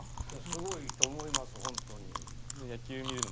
すごいと思いますホントに。